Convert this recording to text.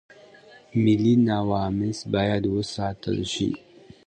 ملي نواميس بايد وساتل شي.